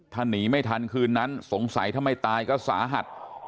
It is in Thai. ถ้าหนีไม่ทันคืนนั้นสงสัยถ้าไม่ตายก็สาหัส